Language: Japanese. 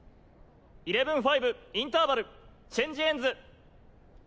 イレブンファイブインターバルチェンジエンズ。